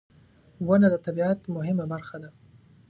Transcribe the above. • ونه د طبیعت مهمه برخه ده.